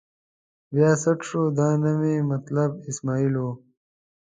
بیا خټ شو، دا نه مې مطلب اسمعیل و.